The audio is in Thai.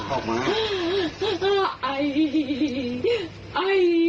ออกมา